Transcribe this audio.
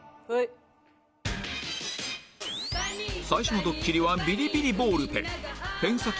最初のドッキリはビリビリボールペン